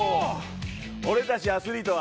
俺たちアスリートは。